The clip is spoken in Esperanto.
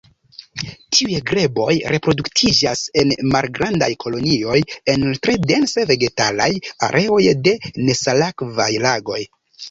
Tiuj greboj reproduktiĝas en malgrandaj kolonioj en tre dense vegetalaj areoj de nesalakvaj lagoj.